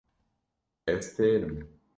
Ez têr im.